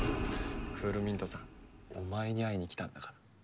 クールミントさんお前に会いに来たんだから。